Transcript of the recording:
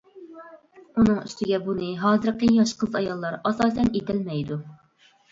ئۇنىڭ ئۈستىگە بۇنى ھازىرقى ياش قىز-ئاياللار ئاساسەن ئېتەلمەيدۇ.